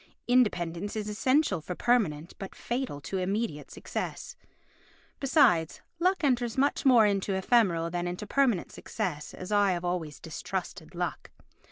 Independence is essential for permanent but fatal to immediate success. Besides, luck enters much more into ephemeral than into permanent success and I have always distrusted luck.